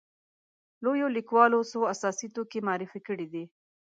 لویو لیکوالو څو اساسي توکي معرفي کړي دي.